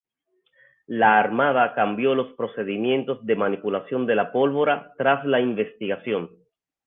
La Armada cambió los procedimientos de manipulación de la pólvora tras la investigación.